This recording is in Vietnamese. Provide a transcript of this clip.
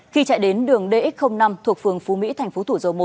khi chạy đến đường dx năm thuộc phường phú mỹ thành phố thủ dầu một